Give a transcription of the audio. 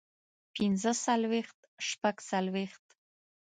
پنځۀ څلوېښت شپږ څلوېښت